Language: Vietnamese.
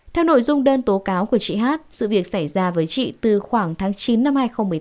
theo nội dung đơn tố cáo của chị hát sự việc xảy ra với chị từ khoảng tháng chín năm hai nghìn một mươi tám